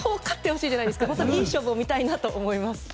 いい勝負を見たいなと思います。